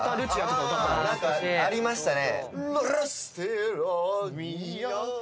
何かありましたね。